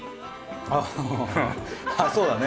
あぁあっそうだね。